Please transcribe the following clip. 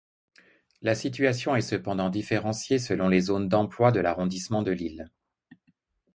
La situation est cependant différenciée selon les zones d’emploi de l’arrondissement de Lille.